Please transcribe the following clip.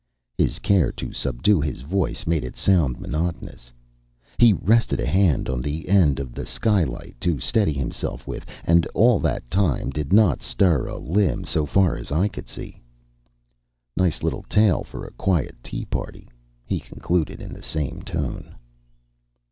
'" His care to subdue his voice made it sound monotonous. He rested a hand on the end of the skylight to steady himself with, and all that time did not stir a limb, so far as I could see. "Nice little tale for a quiet tea party," he concluded in the same tone.